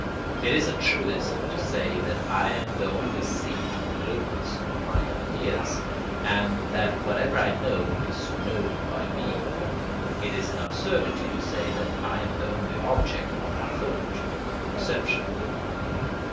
It is a truism to say that I am the only seat or locus of my ideas, and that whatever I know is known by me; it is an absurdity to say that I am the only object of my thought and perception.